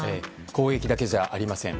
攻撃だけじゃありません。